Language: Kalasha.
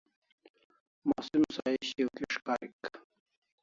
Musim sahi shiau kis' karik